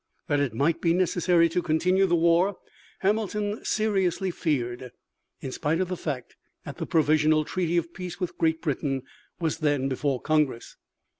That it might be necessary to continue the war Hamilton seriously feared, in spite of the fact that the provisional treaty of peace with Great Britain was then before Congress.